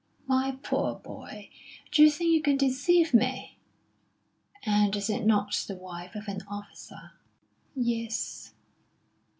"My poor boy, d'you think you can deceive me! And is it not the wife of an officer?" "Yes."